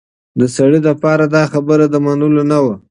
د سړي لپاره دا خبره د منلو نه وه.